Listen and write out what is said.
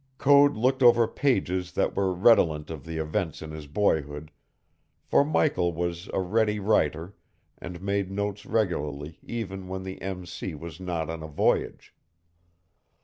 Code looked over pages that were redolent of the events in his boyhood, for Michael was a ready writer and made notes regularly even when the M. C. was not on a voyage.